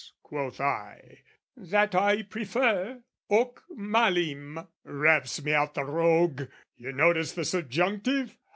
quoth I: "'That I prefer, hoc malim,' raps me out "The rogue: you notice the subjunctive?